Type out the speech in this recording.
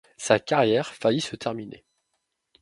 Sa carrière failli se terminer.